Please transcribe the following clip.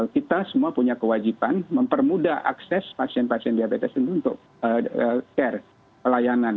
kita semua punya kewajiban mempermudah akses pasien pasien diabetes ini untuk care pelayanan